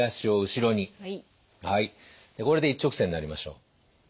はいこれで一直線になりましょう。